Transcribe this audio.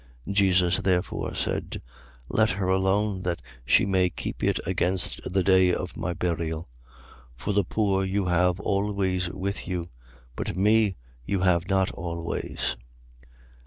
12:7. Jesus therefore said: Let her alone, that she may keep it against the day of my burial. 12:8. For the poor you have always with you: but me you have not always.